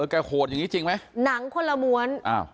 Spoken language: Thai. แกโหดอย่างนี้จริงไหมหนังคนละมวล